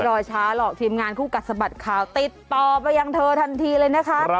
รอช้าหรอกทีมงานคู่กัดสะบัดข่าวติดต่อไปยังเธอทันทีเลยนะคะ